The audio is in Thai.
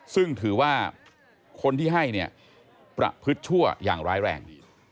ซึ่งถือว่าคนที่ให้เนี่ยประพฤติชั่วอย่างร้ายแรง